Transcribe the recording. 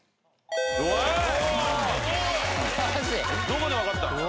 どこでわかったの？